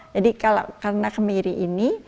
jadi karena kemiri ini